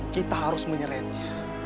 kita harus menyerahnya